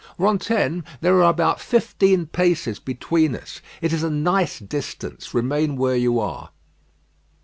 "Rantaine, there are about fifteen paces between us. It is a nice distance. Remain where you are."